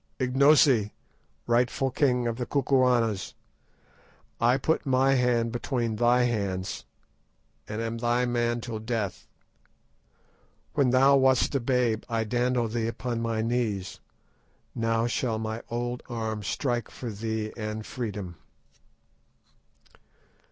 "Ignosi, rightful king of the Kukuanas, I put my hand between thy hands, and am thy man till death. When thou wast a babe I dandled thee upon my knees, now shall my old arm strike for thee and freedom."